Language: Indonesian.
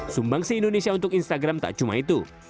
sumbang se indonesia untuk instagram tak cuma itu